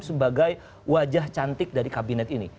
sebagai wajah cantik dari kabinet ini